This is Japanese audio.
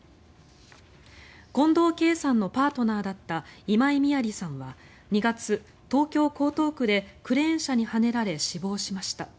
近藤佳さんのパートナーだった今井美亜里さんは２月東京・江東区でクレーン車にはねられ死亡しました。